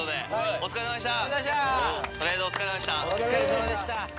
お疲れさまでした！